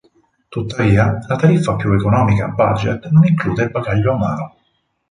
Tuttavia, la tariffa più economica "Budget" non include il bagaglio a mano.